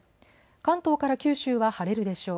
関東から九州は晴れるでしょう。